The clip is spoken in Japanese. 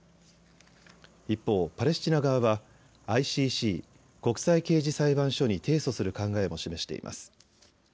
一方パレスチナ側はＩＣＣ・国際刑事裁判所に提訴する考えも示しています。